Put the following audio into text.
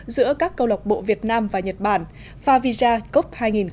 giữa các câu lọc bộ việt nam và nhật bản favija cup hai nghìn một mươi tám